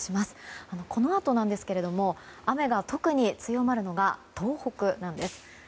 このあとなんですが雨が特に強まるのが東北です。